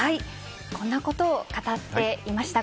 こんなことを語っていました。